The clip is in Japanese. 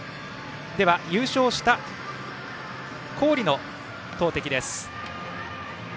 優勝した郡の投てきです。